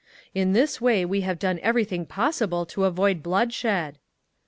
"In this way we have done everything possible to avoid blood shed…."